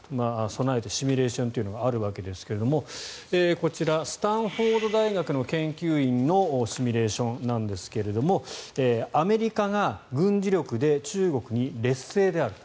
備えてシミュレーションというのがあるわけですがこちら、スタンフォード大学の研究員のシミュレーションですがアメリカが軍事力で中国に劣勢である。